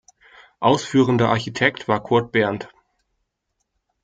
Ausführender Architekt war Kurt Berndt.